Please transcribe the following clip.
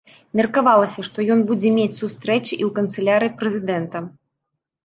Меркавалася, што ён будзе мець сустрэчы і ў канцылярыі прэзідэнта.